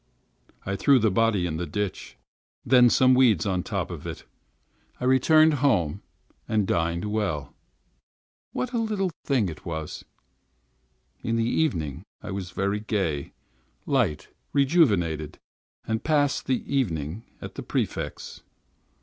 I threw the body in the ditch, and some weeds on top of it. I returned home, and dined well. What a little thing it was! In the evening I was very gay, light, rejuvenated; I passed the evening at the Prefect's.